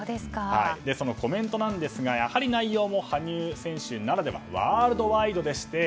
そのコメントですがやはり内容も羽生選手ならではワールドワイドでして。